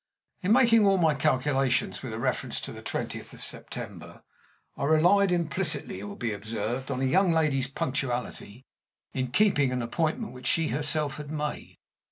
In making all my calculations with a reference to the twentieth of September, I relied implicitly, it will be observed, on a young lady's punctuality in keeping an appointment which she had herself made.